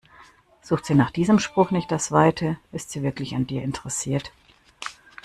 Sucht sie nach diesem Spruch nicht das Weite, ist sie wirklich an dir interessiert.